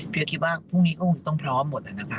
เพื่อคิดว่าพรุ่งนี้ก็ต้องพร้อมหมดนะคะ